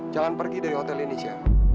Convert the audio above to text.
jangan pergi dari hotel ini rasha